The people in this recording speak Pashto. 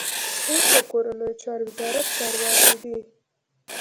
اوس د کورنیو چارو وزارت چارواکی دی.